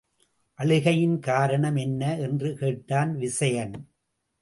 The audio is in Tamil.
அழுகையின் காரணம் என்ன? என்று கேட்டான் விசயன்.